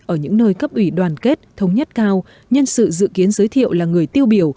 ở những nơi cấp ủy đoàn kết thống nhất cao nhân sự dự kiến giới thiệu là người tiêu biểu